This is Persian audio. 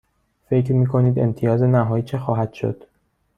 فکر می کنید امتیاز نهایی چه خواهد شد؟